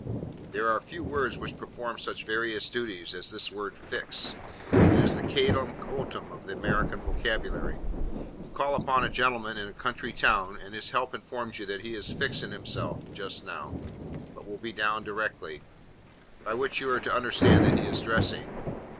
There are few words which perform such various duties as this word 'fix.' It is the Caleb Quotem of the American vocabulary. You call upon a gentleman in a country town, and his help informs you that he is 'fixing himself' just now, but will be down directly: by which you are to understand that he is dressing.